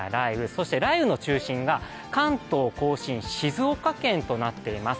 そして雷雨の中心が関東甲信、静岡県となっています。